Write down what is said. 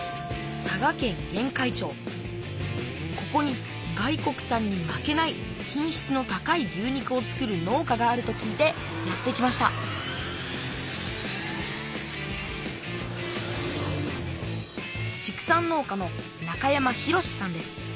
ここに外国産に負けない品しつの高い牛肉を作る農家があると聞いてやって来ました畜産農家の中山裕さんです。